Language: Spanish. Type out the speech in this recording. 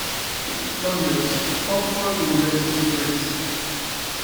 Londres: Oxford University Press.